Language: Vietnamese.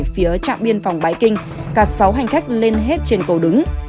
phía trạm biên phòng bãi kinh cả sáu hành khách lên hết trên cầu đứng